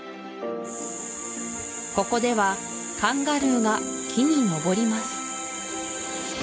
ここではカンガルーが木に登ります